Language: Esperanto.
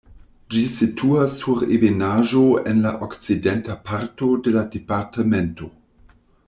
Ĝi situas sur ebenaĵo en la okcidenta parto de la departemento.